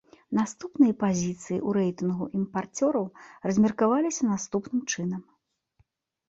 Наступныя пазіцыі ў рэйтынгу імпарцёраў размеркаваліся наступным чынам.